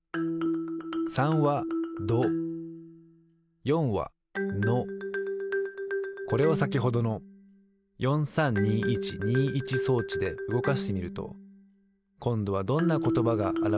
３は「ど」４は「の」これをさきほどの４３２１２１装置でうごかしてみるとこんどはどんなことばがあらわれるでしょう？